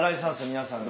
皆さんが。